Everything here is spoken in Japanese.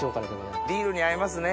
ビールに合いますね。